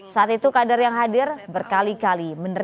saat itu kader yang hadir berkali kali